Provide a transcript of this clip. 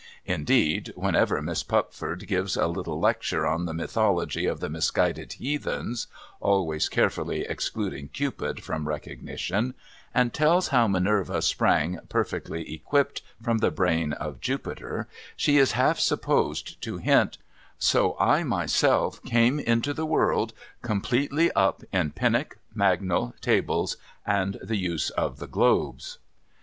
Indeed, whenever Miss Pupford gives a little lecture on the mythology of the misguided heathens (always carefully excluding Cupid from recognition), and tells how Minerva sprang, perfectly equipped, from the brain of Jupiter, she is half supposed to hint, ' So I myself came into the world, completely up in Pinnock, Magnall, Tables, and the use of the Globes.'